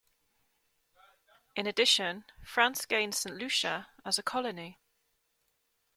In addition, France gained Saint Lucia as a colony.